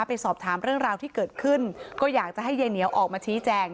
ไปสอบถามเรื่องราวที่เกิดขึ้นก็อยากจะให้ยายเหนียวออกมาชี้แจง